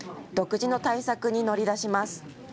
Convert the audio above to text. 独自の対策に乗り出します。